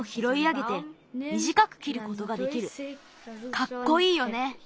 かっこいいよね！